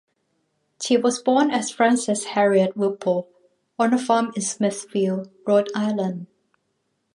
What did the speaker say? She was born as Frances Harriet Whipple on a farm in Smithfield, Rhode Island.